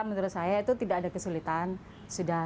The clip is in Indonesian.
pemerintah mencari hak yang berharga